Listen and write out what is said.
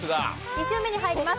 ２周目に入ります。